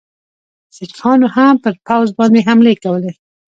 سیکهانو هم پر پوځ باندي حملې کولې.